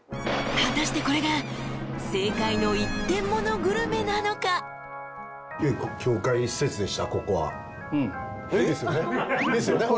［果たしてこれが正解の一点モノグルメなのか！？］ですよね？ですよね？